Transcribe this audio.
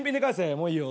もういいよ。